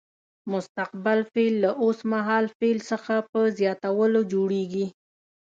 مستقبل فعل له اوس مهال فعل څخه په زیاتولو جوړیږي.